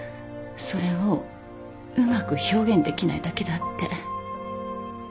それをうまく表現できないだけだって。